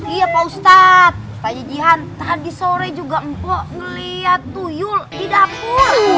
iya pak ustadz pak jejian tadi sore juga empuk ngelihat tuyul di dapur